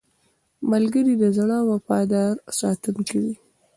ملګری د زړه وفادار ساتونکی وي